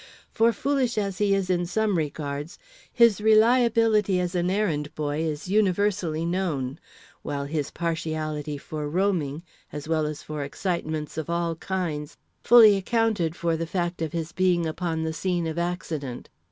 For, foolish as he is in some regards, his reliability as an errand boy is universally known, while his partiality for roaming, as well as for excitements of all kinds, fully accounted for the fact of his being upon the scene of accident.